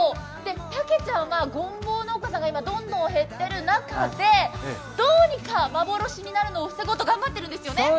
たけちゃんはごんぼう農家さんが減っている中で、どうにか幻になるのを防ごうと頑張っているんですよね。